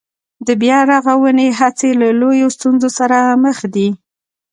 د بيا رغونې هڅې له لویو ستونزو سره مخ دي